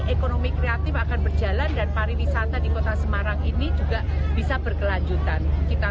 ekonomi kreatif akan berjalan dan pariwisata di kota semarang ini juga bisa berkelanjutan kita